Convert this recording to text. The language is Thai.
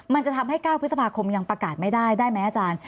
มันจะทำให้๙พฤษภาคมยังประกาศไม่ได้ได้ไหมอาจารย์